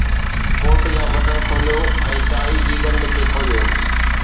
ڪوٽ جا بٽڻ کوليو ۽ ٽائي جي ڳنڍ کي کوليو